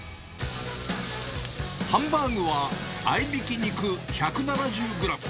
ハンバーグは、合いびき肉１７０グラム。